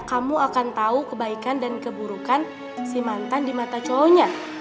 kamu akan tahu kebaikan dan keburukan si mantan di mata cowoknya